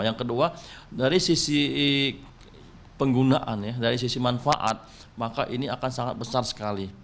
yang kedua dari sisi penggunaan ya dari sisi manfaat maka ini akan sangat besar sekali